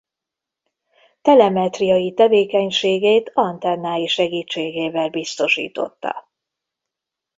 Telemetriai tevékenységét antennái segítségével biztosította.